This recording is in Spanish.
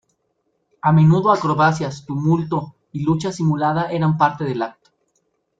A menudo acrobacias, tumulto y lucha simulada eran parte del acto.